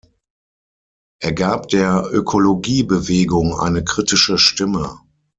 Er gab der Ökologiebewegung eine kritische Stimme.